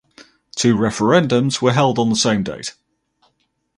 Two referendums were held on the same date.